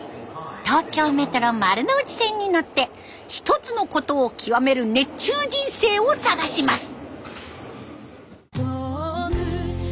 東京メトロ丸ノ内線に乗って一つのことを極める「熱中人生」を探します。